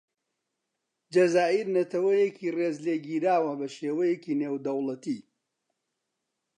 جەزائیر نەتەوەیەکی ڕێز لێگیراوە بەشێوەیەکی نێودەوڵەتی.